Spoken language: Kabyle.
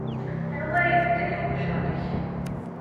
Anwa ara ibedden i uqjun-ik?